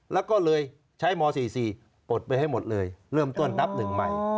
แล้วก็เลยใช้ม๔๔ปลดไปให้หมดเลยเริ่มต้นนับหนึ่งใหม่